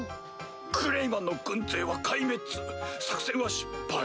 クレイマンの軍勢は壊滅作戦は失敗。